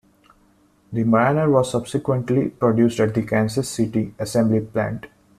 The Mariner was subsequently produced at the Kansas City Assembly plant.